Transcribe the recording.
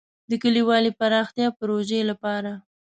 د کلیوالي پراختیا پروژې لپاره.